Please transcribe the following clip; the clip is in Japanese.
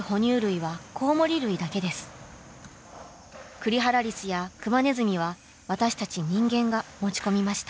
クリハラリスやクマネズミは私たち人間が持ち込みました。